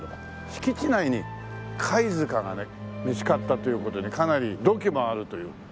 敷地内に貝塚がね見つかったという事でかなり土器もあるという。